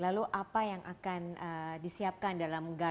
lalu apa yang akan disiapkan dalam garnas buayna